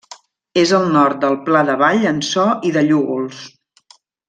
És al nord del Pla de Vall en So i de Llúgols.